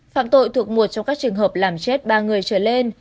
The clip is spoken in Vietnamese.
phạm tội thuộc một trong các trường hợp làm chết ba người trở lên